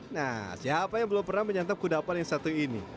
nah siapa yang belum pernah menyantap kudapan yang satu ini